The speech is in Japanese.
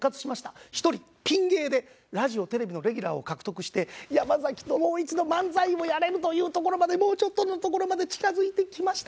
１人ピン芸でラジオテレビのレギュラーを獲得して山崎ともう一度漫才をやれるというところまでもうちょっとのところまで近付いてきました。